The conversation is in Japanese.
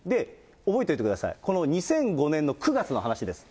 覚えておいてください、この２００５年の９月の話です。